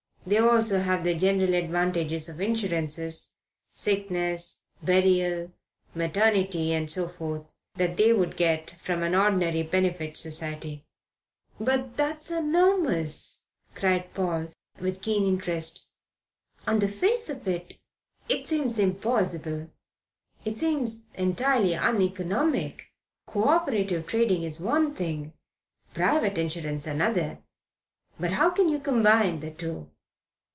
They also have the general advantages of insurance sickness, burial, maternity, and so forth that they would get from an ordinary benefit society." "But that's enormous," cried Paul, with keen interest. "On the face of it, it seems impossible. It seems entirely uneconomic. Co operative trading is one thing; private insurance another. But how can you combine the two?"